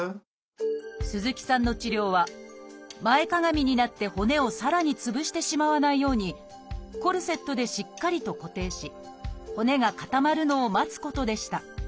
鈴木さんの治療は前かがみになって骨をさらにつぶしてしまわないようにコルセットでしっかりと固定し骨が固まるのを待つことでした。